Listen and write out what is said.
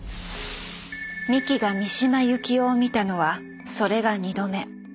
三木が三島由紀夫を見たのはそれが２度目。